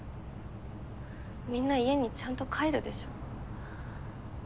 みんな家にちゃんと帰るでしょ？